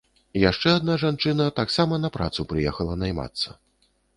Яшчэ адна жанчына таксама на працу прыехала наймацца.